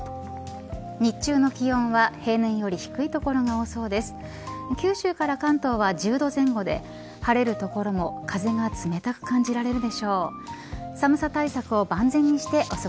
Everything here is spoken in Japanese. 日中の気温は平年より低い所が多そうです。